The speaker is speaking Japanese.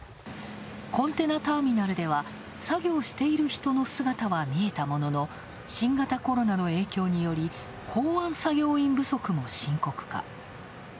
コンテナターミナルでは作業している人の姿は見えたものの、新型コロナの影響により港湾作業員不足も深刻化。